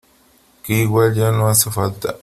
que igual ya no hace falta .